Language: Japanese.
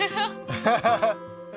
ハハハハ！